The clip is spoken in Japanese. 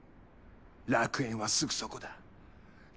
楽園はすぐそこだ。